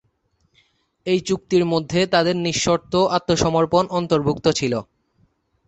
এই চুক্তির মধ্যে তাদের নিঃশর্ত আত্মসমর্পণ অন্তর্ভুক্ত ছিল।